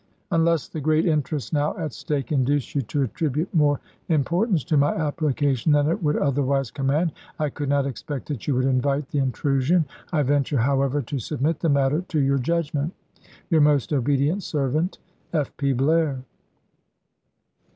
Unless the great interests now at stake induce you to attribute more importance to my application than it would other wise command I could not expect that you would invite the intrusion. I venture however to submit the matter to your judgment. Your most obedient servant, F. P. Blair.